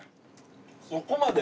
そこまで！？